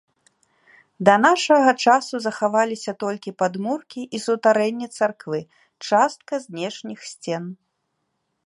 Да нашага часу захаваліся толькі падмуркі і сутарэнні царквы, частка знешніх сцен.